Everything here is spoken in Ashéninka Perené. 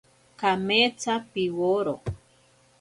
Kametsa piworo.